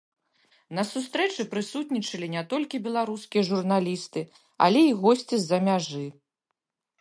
На сустрэчы прысутнічалі не толькі беларускія журналісты, але і госці з-за мяжы.